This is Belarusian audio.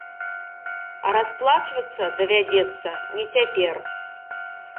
А расплачвацца давядзецца не цяпер.